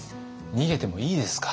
逃げてもいいですか？